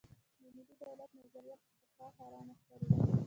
د ملي دولت نظریه پخوا حرامه ښکارېده.